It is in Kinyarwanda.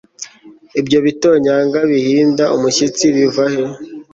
Ibyo bitonyanga bihinda umushyitsi biva he